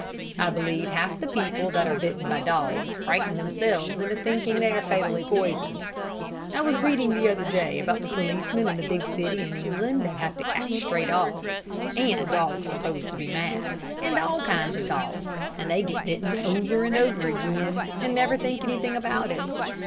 I believe half the people that are bitten by dogs frighten themselves into thinking they are fatally poisoned. I was reading the other day about the policemen in a big city in England that have to catch stray dogs, and dogs supposed to be mad, and all kinds of dogs, and they get bitten over and over again, and never think anything about it.